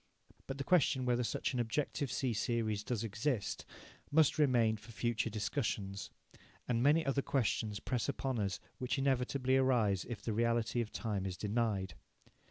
But the question whether such an objective C series does exist, must remain for future discussions. And many other questions press upon us which inevitably arise if the reality of time is denied.